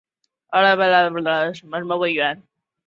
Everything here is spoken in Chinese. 曾任辽宁省人民委员会委员。